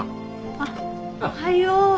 あっおはよう。